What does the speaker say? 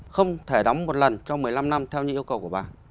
không thể đóng một lần cho một mươi năm năm theo những yêu cầu của bà